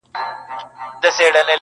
په هند کي د اوسېدو